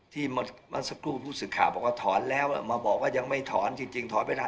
เมื่อสักครู่ผู้สื่อข่าวบอกว่าถอนแล้วมาบอกว่ายังไม่ถอนจริงถอนไปแล้ว